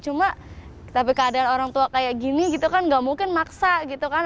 cuma tapi keadaan orang tua kayak gini gitu kan gak mungkin maksa gitu kan